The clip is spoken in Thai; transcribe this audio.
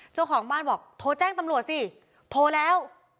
เจ้าของบ้านบอกโทรแจ้งตำรวจสิโทรแล้ว